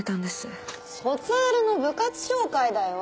卒アルの部活紹介だよ？